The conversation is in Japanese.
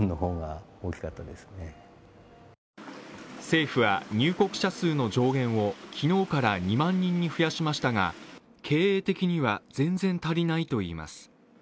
政府は入国者数の上限を昨日から２万人に増やしましたが経営的には全然足りないといいます。